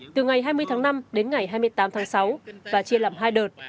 từ ngày hai mươi tháng năm đến ngày hai mươi tám tháng sáu và chia làm hai đợt